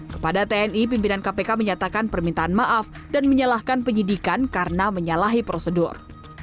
kepada tni pimpinan kpk menyatakan permintaan maaf dan menyalahkan penyidikan karena menyalahi prosedur